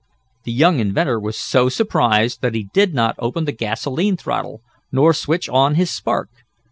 The young inventor was so surprised that he did not open the gasolene throttle, nor switch on his spark.